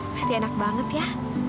pasti enak banget ya